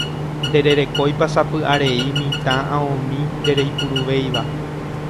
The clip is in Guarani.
Ndererekóipa sapy'arei mitã aomi ndereipuruvéiva